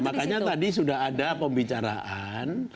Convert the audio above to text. makanya tadi sudah ada pembicaraan